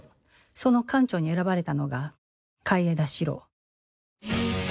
その艦長に選ばれたのが海江田四郎」